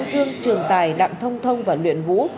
dương trường tài đặng thông thông và luyện vũ